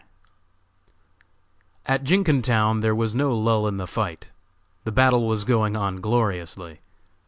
_ At Jenkintown there was no lull in the fight. The battle was going on gloriously.